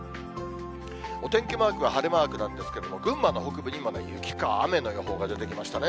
お天気マークは晴れマークなんですけれども、群馬の北部に今、雪か雨の予報が出てきましたね。